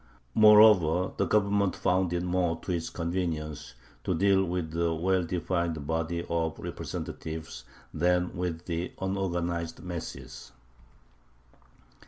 Moreover, the Government found it more to its convenience to deal with a well defined body of representatives than with the unorganized masses.